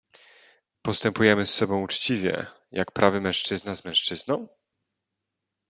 "Postępujemy z sobą uczciwie, jak prawy mężczyzna z mężczyzną?..."